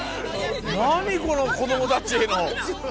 何この子供たちへの。